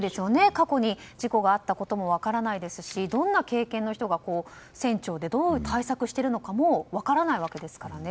過去に事故があったことも分からないしどんな経験の人が船長でどう対策しているのかも分からないわけですからね。